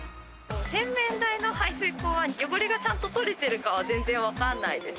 洗面台の排水溝は、汚れがちゃんと取れてるか、全然わかんないです。